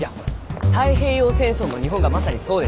太平洋戦争の日本がまさにそうでしょ。